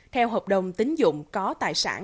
theo hợp đồng tín dụng có tài sản